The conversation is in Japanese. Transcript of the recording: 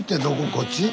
こっち？